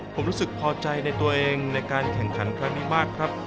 ผมรู้สึกพอใจในตัวเองในการแข่งขันครั้งนี้มากครับ